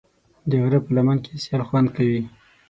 د غره په لمن کې سیل خوند کوي.